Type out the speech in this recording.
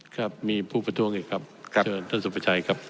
ครับมีผู้ประท้วงอีกครับเชิญท่านสุประชัยครับ